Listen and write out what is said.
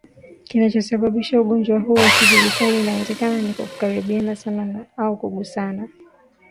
Kinachosababisha ugonjwa huu hakijulikani inawezekana ni kwa kukaribiana sana au kugusana